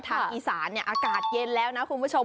ทางอีสานเนี่ยอากาศเย็นแล้วนะคุณผู้ชม